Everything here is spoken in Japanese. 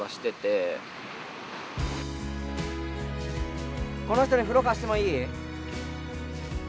何かこうこの人に風呂貸してもいい？